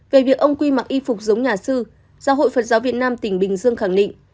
về việc ông quy mặc y phục giống nhà sư giáo hội phật giáo việt nam tỉnh bình dương khẳng định